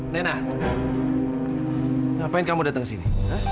nena ngapain kamu datang ke sini